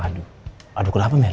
aduh aduh gue lama mir